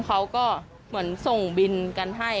เขาก็เหมือนส่งบินกันให้